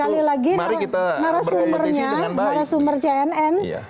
narasumbernya narasumber cnn